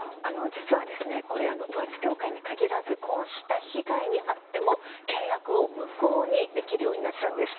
実は、統一教会に限らずこうした被害に遭っても契約を無効にできるようになったんです。